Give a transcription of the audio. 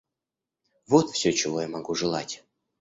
Вот всё, чего я могу желать.